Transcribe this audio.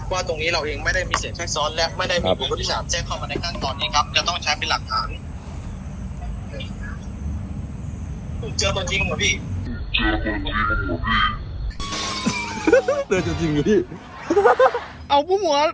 ว่าตรงนี้เราเองไม่ได้มีเสร็จใช้ซ้อน